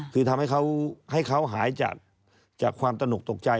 คือทำให้เขาหายจากความตนกตกใจ